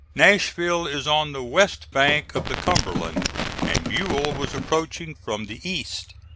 Nashville is on the west bank of the Cumberland, and Buell was approaching from the east.